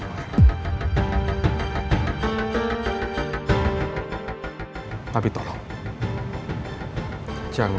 om adalah oleh saya